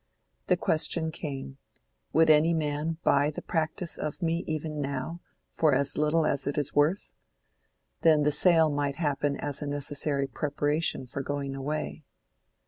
The question came—"Would any man buy the practice of me even now, for as little as it is worth? Then the sale might happen as a necessary preparation for going away."